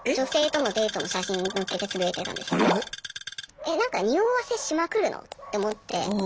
「えなんか匂わせしまくるの？」って思って。